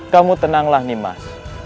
kamu tenanglah nimas